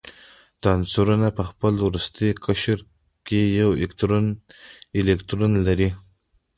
دا عنصرونه په خپل وروستي قشر کې یو الکترون لري.